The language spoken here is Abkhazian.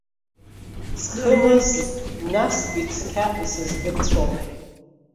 Ҵхымыз, настәи цқьа исыздырцәом.